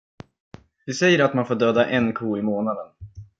Vi säger att man får döda en ko i månaden.